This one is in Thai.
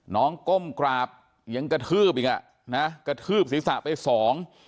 ก้มกราบยังกระทืบอีกอ่ะนะกระทืบศีรษะไปสอง